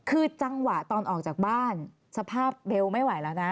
คือจังหวะตอนออกจากบ้านสภาพเบลไม่ไหวแล้วนะ